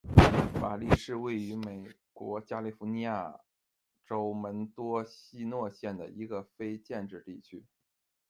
法利是位于美国加利福尼亚州门多西诺县的一个非建制地区。